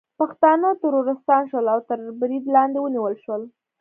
پښتانه ترورستان شول او تر برید لاندې ونیول شول